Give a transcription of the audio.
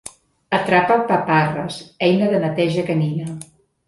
Atrapapaparres: eina de neteja canina.